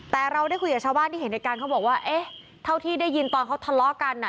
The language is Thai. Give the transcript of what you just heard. แต่เราได้คุยกับชาวบ้านที่เห็นในการเขาบอกว่าเอ๊ะเท่าที่ได้ยินตอนเขาทะเลาะกันอ่ะ